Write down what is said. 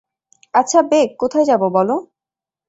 আচ্ছা, বেক, কোথায় যাব বলো?